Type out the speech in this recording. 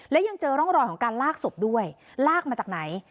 และยังเจอร่องรอยของการลากศพด้วยลากมาจากไหน